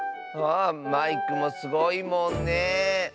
あマイクもすごいもんねえ。